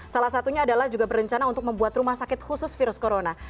salah satunya adalah juga berencana untuk membuat rumah sakit khusus virus corona